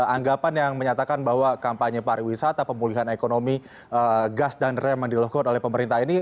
anggapan yang menyatakan bahwa kampanye pariwisata pemulihan ekonomi gas dan rem yang dilakukan oleh pemerintah ini